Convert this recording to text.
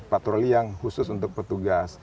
patroli yang khusus untuk petugas